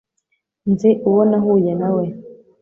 Nzi uwo nahuye nawe